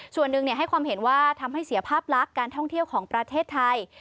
ส่วนหนึ่งให้ความเห็นว่าทำให้เสียภาพลักษณ์การท่องเที่ยวของประเทศไทย